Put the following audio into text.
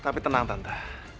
tapi tenang tante